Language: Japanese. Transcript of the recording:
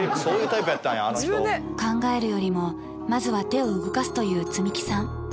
考えるよりもまずは手を動かすというツミキさん